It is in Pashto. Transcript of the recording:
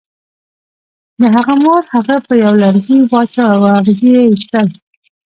د هغه مور هغه په یوه لرګي واچاو او اغزي یې ایستل